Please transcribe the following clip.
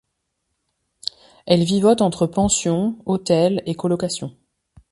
Elle vivote entre pensions, hôtels et colocations.